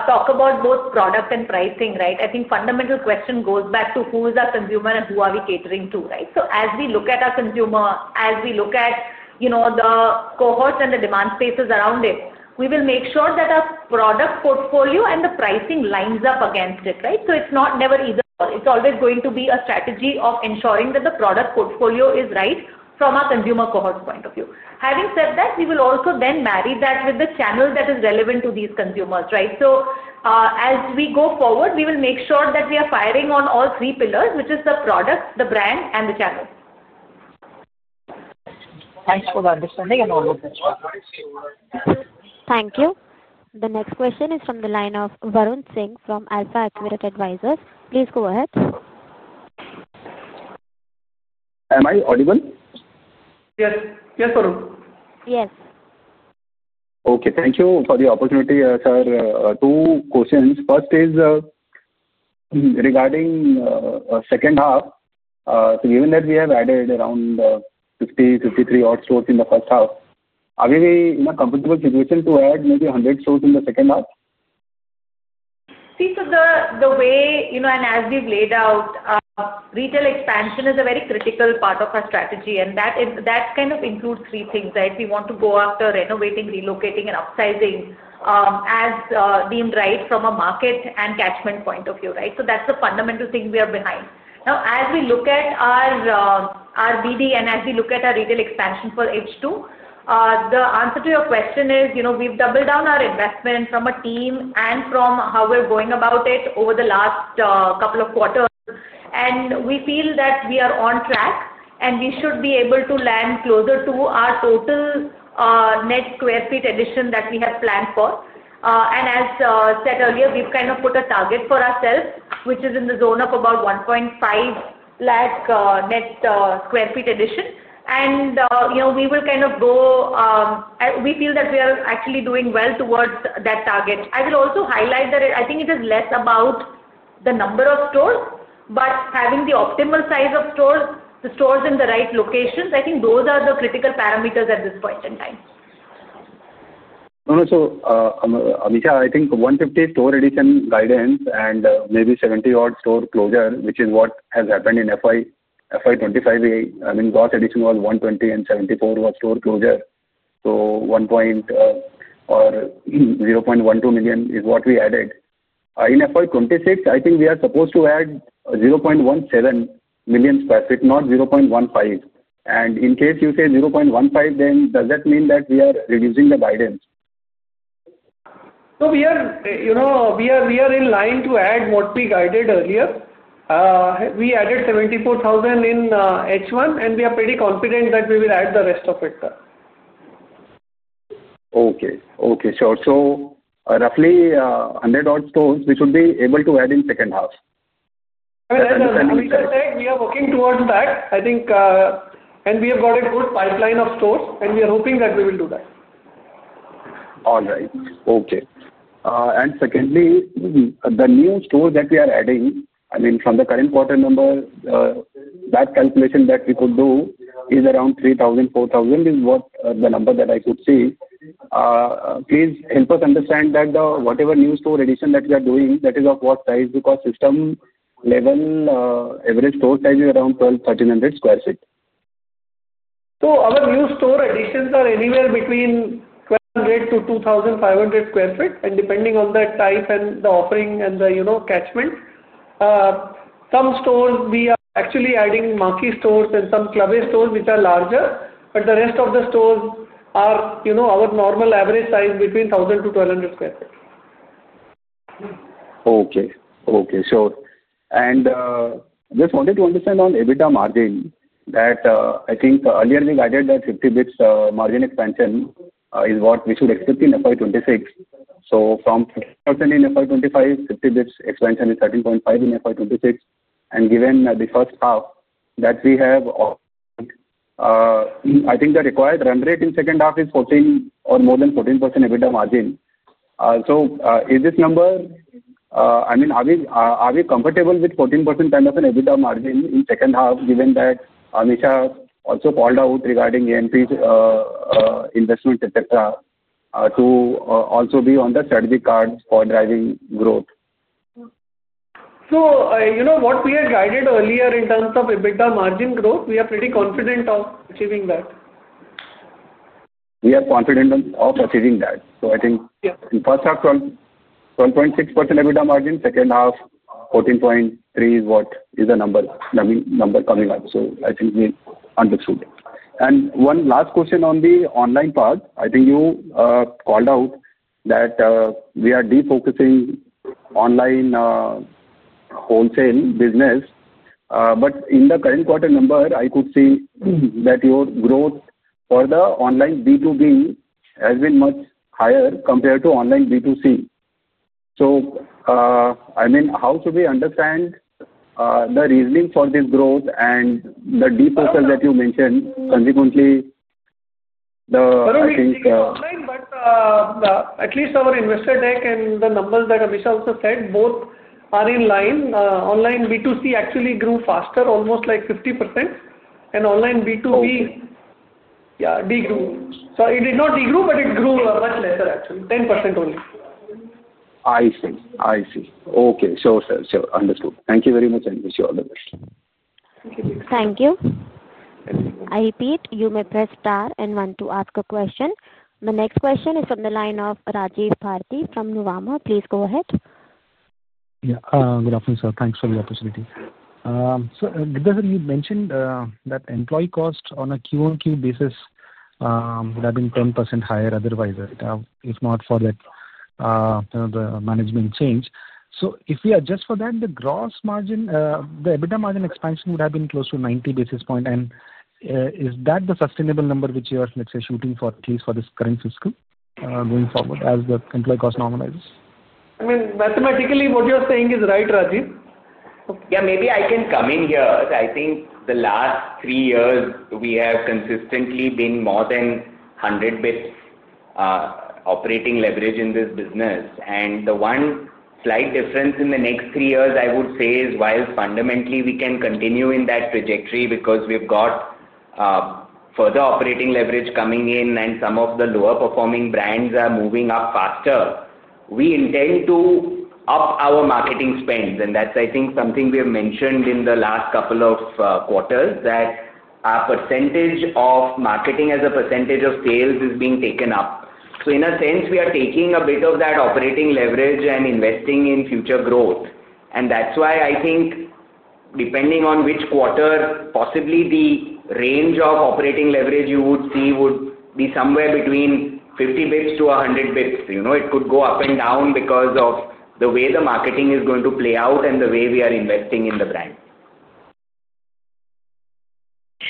talk about both product and pricing, right, I think fundamental question goes back to who is our consumer and who are we catering to, right? As we look at our consumer, as we look at the cohorts and the demand spaces around it, we will make sure that our product portfolio and the pricing lines up against it, right? It is not never either/or. It is always going to be a strategy of ensuring that the product portfolio is right from a consumer cohort point of view. Having said that, we will also then marry that with the channel that is relevant to these consumers, right? As we go forward, we will make sure that we are firing on all three pillars, which are the product, the brand, and the channel. Thanks for the understanding and all the good stuff. Thank you. The next question is from the line of Varun Singh from AlfAccurate Advisors. Please go ahead. Am I audible? Yes. Yes, Varun. Yes. Okay. Thank you for the opportunity, sir. Two questions. First is, regarding second half. Given that we have added around 50-53 odd stores in the first half, are we in a comfortable situation to add maybe 100 stores in the second half? See, the way and as we have laid out, retail expansion is a very critical part of our strategy. That kind of includes three things, right? We want to go after renovating, relocating, and upsizing as deemed right from a market and catchment point of view, right? That is the fundamental thing we are behind. Now, as we look at our BD and as we look at our retail expansion for H2, the answer to your question is we have doubled down our investment from a team and from how we are going about it over the last couple of quarters. We feel that we are on track, and we should be able to land closer to our total net sq ft addition that we have planned for. As said earlier, we have kind of put a target for ourselves, which is in the zone of about [150,000] net sq ft addition, and we will kind of go. We feel that we are actually doing well towards that target. I will also highlight that I think it is less about the number of stores, but having the optimal size of stores, the stores in the right locations, I think those are the critical parameters at this point in time. Amisha, I think 150 store addition guidance and maybe 70 odd store closure, which is what has happened in FY 2025. I mean, last addition was 120 and 74 was store closure. So 1.12 million is what we added. In FY 2026, I think we are supposed to add 0.17 million sq ft, not 0.15 million sq ft. And in case you say 0.15 million sq ft, then does that mean that we are reducing the guidance? We are in line to add what we guided earlier. We added 74,000 in H1, and we are pretty confident that we will add the rest of it. Okay. Okay. Sure. So roughly 100 odd stores, we should be able to add in second half. As Amisha said, we are working towards that. I think. And we have got a good pipeline of stores, and we are hoping that we will do that. All right. Okay. Secondly, the new stores that we are adding, I mean, from the current quarter number, that calculation that we could do is around 3,000-4,000 is what the number that I could see. Please help us understand that whatever new store addition that we are doing, that is of what size? Because system level average store size is around 1,200-1,300 sq ft. Our new store additions are anywhere between 100-2,500 sq ft. Depending on the type and the offering and the catchment, some stores we are actually adding are marquee stores and some club stores which are larger. The rest of the stores are our normal average size between 1000-1200 sq ft. Okay. Okay. Sure. Just wanted to understand on EBITDA margin that I think earlier we guided that 50 basis points margin expansion is what we should expect in FY 2026. From 15% in FY 2025, 50 basis points expansion is 15.5% in FY 2026. Given the first half that we have, I think the required run rate in second half is 14% or more than 14% EBITDA margin. Is this number, I mean, are we comfortable with 14% kind of an EBITDA margin in second half, given that Amisha also called out regarding AMP investment, etc., to also be on the strategic cards for driving growth? What we had guided earlier in terms of EBITDA margin growth, we are pretty confident of achieving that. We are confident of achieving that. I think in first half, 12.6% EBITDA margin, second half, 14.3% is what is the number coming up. I think we understood. One last question on the online part. I think you called out that we are de-focusing online. Wholesale business. In the current quarter number, I could see that your growth for the online B2B has been much higher compared to online B2C. I mean, how should we understand the reasoning for this growth and the de-focus that you mentioned? Consequently, the. I think. I mean, we are online, but at least our investor deck and the numbers that Amisha also said, both are in line. Online B2C actually grew faster, almost like 50%. Online B2B, yeah, degrew. It did not degrew, but it grew much lesser, actually. 10% only. I see. Okay. Sure. Understood. Thank you very much, and wish you all the best. Thank you. Thank you. I repeat, you may press star and one to ask a question. The next question is from the line of Rajiv Bharati from Nuvama. Please go ahead. Yeah. Good afternoon, sir. Thanks for the opportunity. So, Gupta sir, you mentioned that employee cost on a Q1Q basis would have been 10% higher otherwise, right, if not for that, the management change. If we adjust for that, the gross margin, the EBITDA margin expansion would have been close to 90 basis points. Is that the sustainable number which you are, let's say, shooting for at least for this current fiscal going forward as the employee cost normalizes? I mean, mathematically, what you are saying is right, Rajiv. Yeah. Maybe I can come in here. I think the last 3 years, we have consistently been more than 100 basis points. Operating leverage in this business. The one slight difference in the next 3 years, I would say, is while fundamentally we can continue in that trajectory because we've got further operating leverage coming in and some of the lower-performing brands are moving up faster, we intend to up our marketing spend. That's, I think, something we have mentioned in the last couple of quarters that our percentage of marketing as a percentage of sales is being taken up. In a sense, we are taking a bit of that operating leverage and investing in future growth. That's why I think depending on which quarter, possibly the range of operating leverage you would see would be somewhere between 50 basis points to 100 basis points. It could go up and down because of the way the marketing is going to play out and the way we are investing in the brand.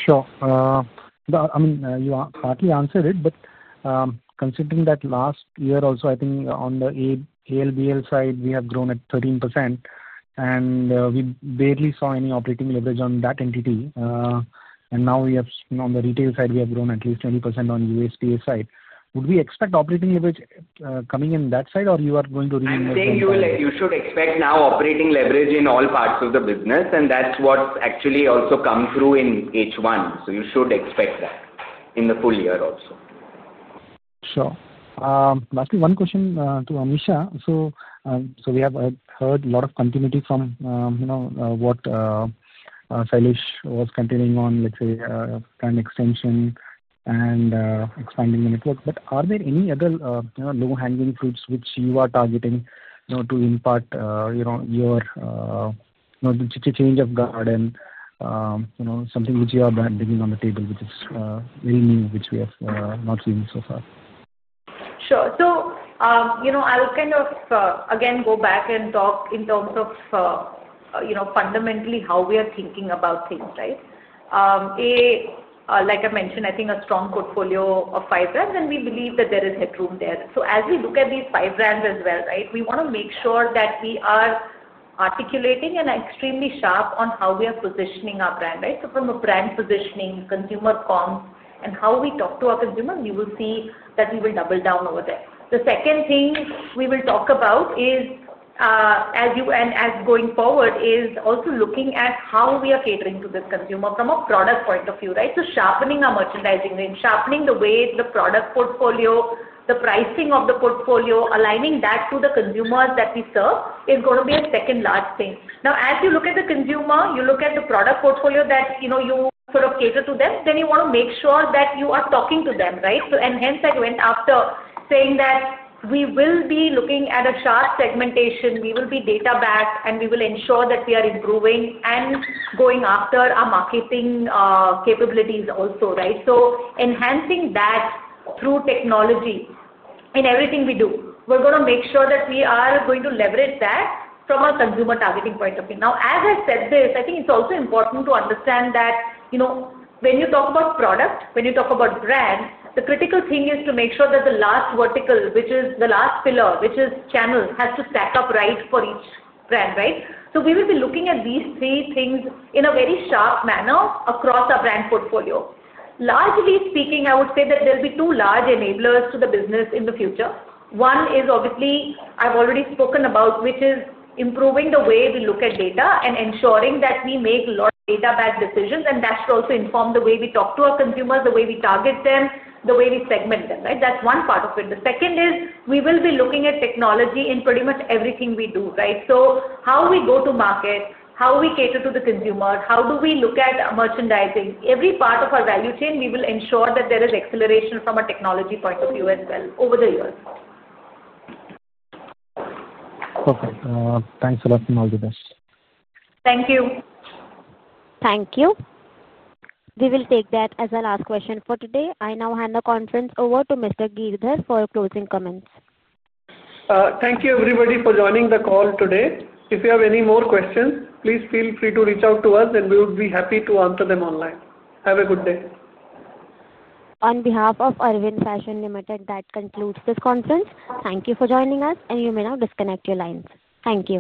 Sure. I mean, you partly answered it, but. Considering that last year also, I think on the ALBL side, we have grown at 13%. And we barely saw any operating leverage on that entity. Now we have on the retail side, we have grown U.S. Polo side. would we expect operating leverage coming in that side, or you are going to reinvest? I think you should expect now operating leverage in all parts of the business, and that's what actually also comes through in H1. You should expect that in the full year also. Sure. Lastly, one question to Amisha. We have heard a lot of continuity from what Shailesh was continuing on, let's say, kind of extension and expanding the network. Are there any other low-hanging fruits which you are targeting to impart your change of guard and something which you are bringing on the table, which is very new, which we have not seen so far? Sure. I would kind of, again, go back and talk in terms of fundamentally how we are thinking about things, right? Like I mentioned, I think a strong portfolio of five brands, and we believe that there is headroom there. As we look at these five brands as well, right, we want to make sure that we are articulating and extremely sharp on how we are positioning our brand, right? From a brand positioning, consumer comms, and how we talk to our consumers, you will see that we will double down over there. The second thing we will talk about is, and as going forward is also looking at how we are catering to this consumer from a product point of view, right? Sharpening our merchandising range, sharpening the way the product portfolio, the pricing of the portfolio, aligning that to the consumers that we serve is going to be a second-large thing. Now, as you look at the consumer, you look at the product portfolio that you sort of cater to them, then you want to make sure that you are talking to them, right? Hence, I went after saying that we will be looking at a sharp segmentation, we will be data-backed, and we will ensure that we are improving and going after our marketing capabilities also, right? Enhancing that through technology in everything we do. We're going to make sure that we are going to leverage that from a consumer targeting point of view. Now, as I said this, I think it's also important to understand that when you talk about product, when you talk about brand, the critical thing is to make sure that the last vertical, which is the last pillar, which is channel, has to stack up right for each brand, right? We will be looking at these three things in a very sharp manner across our brand portfolio. Largely speaking, I would say that there will be two large enablers to the business in the future. One is obviously I've already spoken about, which is improving the way we look at data and ensuring that we make a lot of data-backed decisions. That should also inform the way we talk to our consumers, the way we target them, the way we segment them, right? That's one part of it. The second is we will be looking at technology in pretty much everything we do, right? How we go to market, how we cater to the consumer, how do we look at merchandising, every part of our value chain, we will ensure that there is acceleration from a technology point of view as well over the years. Perfect. Thanks a lot, and all the best. Thank you. Thank you. We will take that as a last question for today. I now hand the conference over to Mr. Girdhar for closing comments. Thank you, everybody, for joining the call today. If you have any more questions, please feel free to reach out to us, and we would be happy to answer them online. Have a good day. On behalf of Arvind Fashions Limited, that concludes this conference. Thank you for joining us, and you may now disconnect your lines. Thank you.